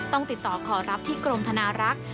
ต้องติดต่อขอรับที่กรมธนารักษ์